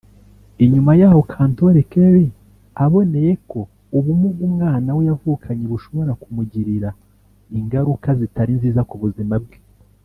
Inyuma yaho Kantore Kelly aboneye ko ubumuga umwana we yavukanye bushobora kumugirira ingaruka zitari nziza ku buzima bwe